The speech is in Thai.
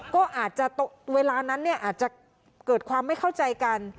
ก็เวลานั้นอาจจะเกิดความไม่เข้าใจกัน